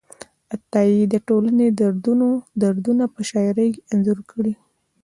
عطایي د ټولنې دردونه په شاعرۍ کې انځور کړي دي.